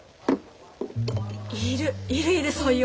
いるいるいるそういう女。